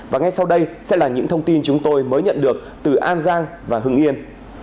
và ngay sau đây sẽ là những thông tin chúng tôi mới nhận được từ an giang và hưng yên